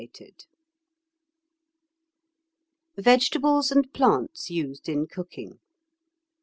] Vegetables and Plants Used in Cooking.